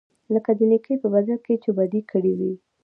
لکه د نېکۍ په بدل کې چې بدي کړې وي.